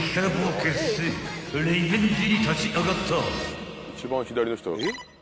［リベンジに立ち上がった］